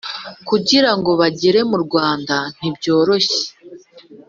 Kugira ngo bagere murwanda ntibyoroshye